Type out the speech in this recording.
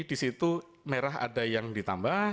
di situ merah ada yang ditambah